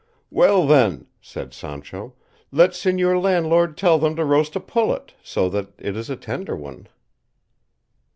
"Well then," said Sancho, "let señor landlord tell them to roast a pullet, so that it is a tender one."